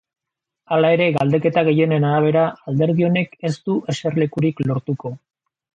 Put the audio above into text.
Hala ere, galdeketa gehienen arabera, alderdi honek ez du eserlekurik lortuko.